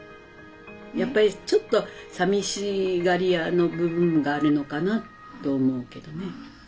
やっぱりちょっとさみしがりやの部分があるのかなと思うけどね。